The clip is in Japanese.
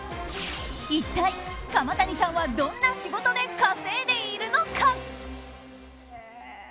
一体、釜谷さんはどんな仕事で稼いでいるのか？